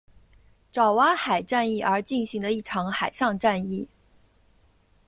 爪哇海战役而进行的一场海上战役。